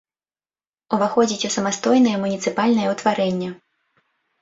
Уваходзіць у самастойнае муніцыпальнае ўтварэнне.